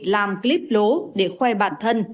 làm clip lố để khoe bản thân